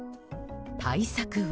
対策は。